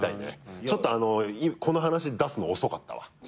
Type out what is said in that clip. ちょっとこの話出すの遅かったわ。